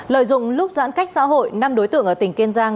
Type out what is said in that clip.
lợi dụng lúc giãn cách xã hội năm đối tượng ở tỉnh kiên giang